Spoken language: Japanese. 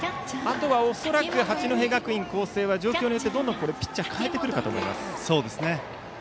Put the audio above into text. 恐らく八戸学院光星は状況によってピッチャーを代えてくるかと思います。